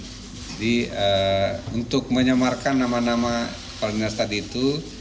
jadi untuk menyamarkan nama nama para dinas tadi itu